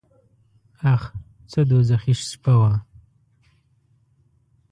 اخ څه دوږخي شپه وه .